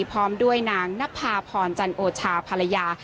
พร้อมด้วยนางนภาพรจันโอชาภรรยา